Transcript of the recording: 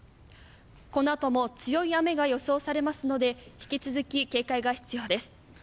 この後も強い雨が予想されますので行き続き警戒が必要です。